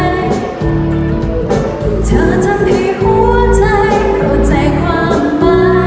เธอทำให้หัวใจเข้าใจความมา